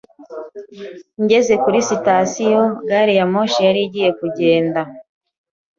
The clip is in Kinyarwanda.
Ngeze kuri sitasiyo, gari ya moshi yari igiye kugenda.